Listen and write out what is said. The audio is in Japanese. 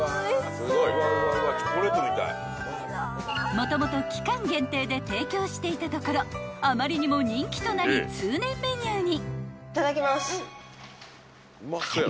［もともと期間限定で提供していたところあまりにも人気となり通年メニューに］